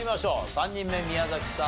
３人目宮崎さん